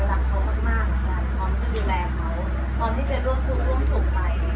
รักเขามากและพร้อมที่จะดูแลเขาพร้อมที่จะร่วมสุขร่วมสุขไป